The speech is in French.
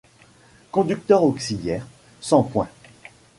Conducteur auxiliaire, sans points.